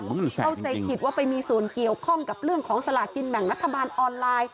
เข้าใจผิดว่าไปมีส่วนเกี่ยวข้องกับเรื่องของสลากินแบ่งรัฐบาลออนไลน์